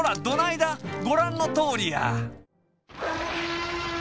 ごらんのとおりや。